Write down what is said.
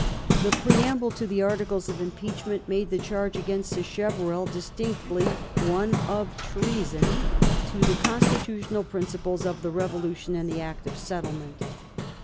The preamble to the articles of impeachment made the charge against Sacheverell distinctly one of trea* son to the constitutional principles of the revolution and the Act of Settlement.